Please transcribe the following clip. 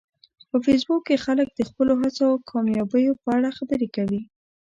په فېسبوک کې خلک د خپلو هڅو او کامیابیو په اړه خبرې کوي